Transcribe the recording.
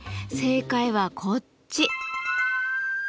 正解はこっち。